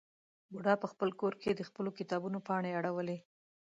بوډا په خپل کور کې د خپلو کتابونو پاڼې اړولې.